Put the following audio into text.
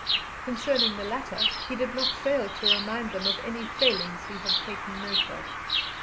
Concerning the latter, he did not fail to remind them of any failings he had taken note of.